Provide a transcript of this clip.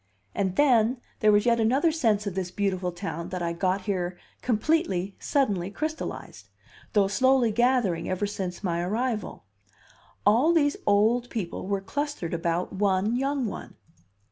And then, there was yet another sense of this beautiful town that I got here completely, suddenly crystallized, though slowly gathering ever since my arrival: all these old people were clustered about one young one.